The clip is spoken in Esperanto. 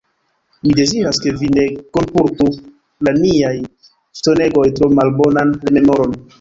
Mi deziras, ke vi ne kunportu de niaj ŝtonegoj tro malbonan rememoron.